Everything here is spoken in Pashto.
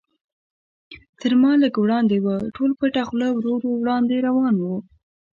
تر ما لږ وړاندې و، ټول پټه خوله ورو ورو وړاندې روان و.